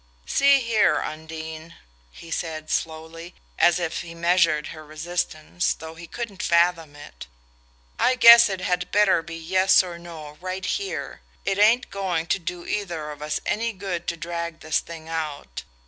"See here, Undine," he said slowly, as if he measured her resistance though he couldn't fathom it, "I guess it had better be yes or no right here. It ain't going to do either of us any good to drag this thing out.